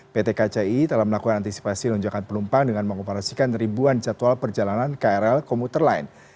pt kci telah melakukan antisipasi lonjakan penumpang dengan mengoperasikan ribuan jadwal perjalanan krl komuter lain